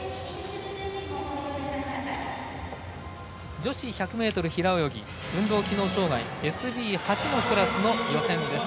女子１００ｍ平泳ぎ運動機能障がいＳＢ８のクラスの予選です。